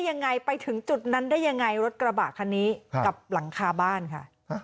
ยังไงไปถึงจุดนั้นได้ยังไงรถกระบะคันนี้กับหลังคาบ้านค่ะ